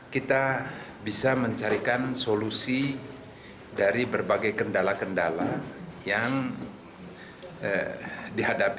kita bisa mencarikan solusi dari berbagai kendala kendala yang dihadapi